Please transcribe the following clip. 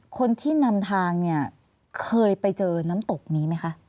คนที่นำทางเนี่ยเคยไปเจอน้ำตกนี้ไหมคะ